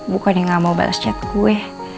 bukan yang gak mau bales chat gue